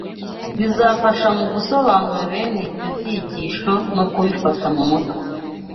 bizafasha mu gusobanura bene ibyo byigisho no kubifata mu mutwe